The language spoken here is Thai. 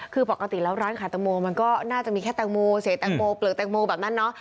คือปกติแล้วร้านขายแตงโมมันก็น่าจะมีแค่แตงโมเศษแตงโมเปลือกแตงโมแบบนั้นเนาะ